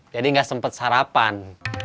jadi gak sempet sarapan